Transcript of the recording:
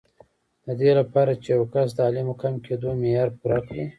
د دې لپاره چې یو کس د عالي مقام کېدو معیار پوره کړي.